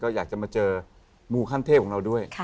อยากจะมาเจอมูขั้นเทพของเราด้วย